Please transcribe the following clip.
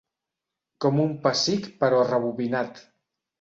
Com un pessic però rebobinat.